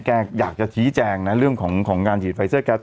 แกอยากจะชี้แจงนะเรื่องของการฉีดไฟเซอร์แก๊ส